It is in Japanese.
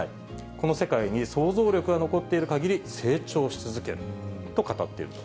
この世界に創造力が残っているかぎり成長し続けると語っていると。